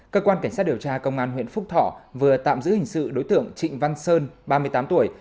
cơ quan cảnh sát điều tra công an huyện phúc thọ vừa tạm giữ hình sự đối tượng trịnh văn sơn ba mươi tám tuổi